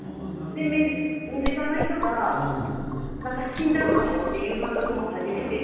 身近な人が死んじゃうかもという感覚も初めてで。